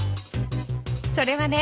それはね